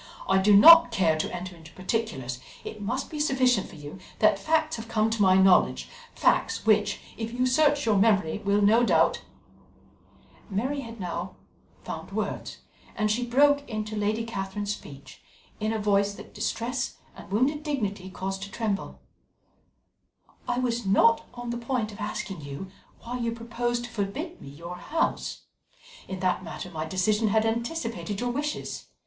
I do not care to enter into particulars; it must be sufficient for you that facts have come to my knowledge facts which, if you search your memory, will no doubt " Mary had by now found words, and she broke into Lady Catherine's speech in a voice that distress and wounded dignity caused to tremble: "I was not on the point of asking you why you propose to forbid me your house. In that matter my decision had anticipated your wishes.